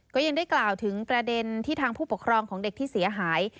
ก็ยังได้กล่าวถึงประเด็นที่ทางผู้ปกครองของเด็กที่เสียหาย